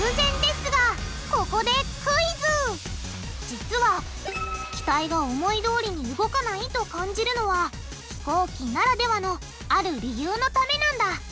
実は機体が思いどおりに動かないと感じるのは飛行機ならではのある理由のためなんだ。